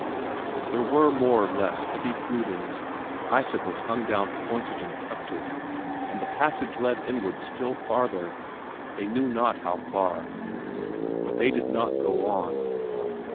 There were more or less heavy flutings, icicles hung down pointed and tufted, and the passage led inward still farther, they knew not how far; but they did not go on.